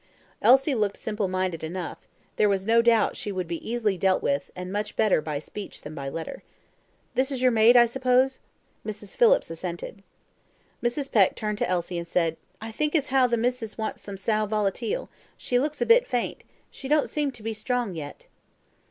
Elsie looked simple minded enough there was no doubt she would be easily dealt with, and much better by speech than by letter. "This is your maid, I suppose?" Mrs. Phillips assented. Mrs. Peck turned to Elsie and said, "I think as how the missis wants some sal volatile; she looks a bit faint she don't seem to be strong yet."